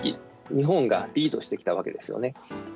日本がリードしてきたわけですよね。